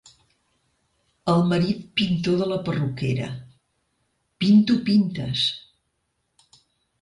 El marit pintor de la perruquera: —Pinto pintes.